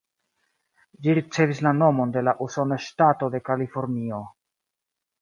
Ĝi ricevis la nomon de la usona ŝtato de Kalifornio.